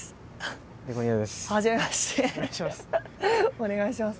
お願いします。